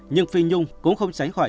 nhưng phi nhung cũng không tránh khỏi